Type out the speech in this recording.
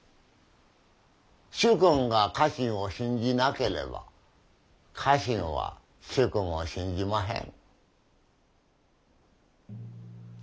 主君が家臣を信じなければ家臣は主君を信じまへぬ。